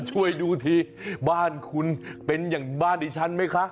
ช่วยดูทีบ้านคุณเป็นอย่างบ้านดิฉันไหมคะ